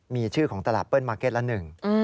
มีชื่อของตลาดเปิ้ลมาร์เก็ตละหนึ่ง